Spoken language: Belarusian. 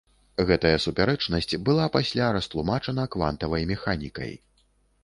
Гэтая супярэчнасць была пасля растлумачана квантавай механікай.